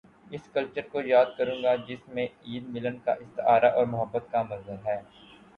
اس culture کو یاد کروں گا جس میں عید، ملن کا استعارہ اور محبت کا مظہر ہے۔